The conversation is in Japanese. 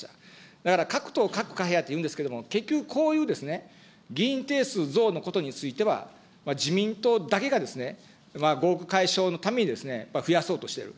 だから各党各会派って言うんですけれども、結局こういう議員定数増のことについては、自民党だけがですね、合区解消のために増やそうとしてる。